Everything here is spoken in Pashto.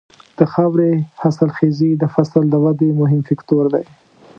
د خاورې حاصلخېزي د فصل د ودې مهم فکتور دی.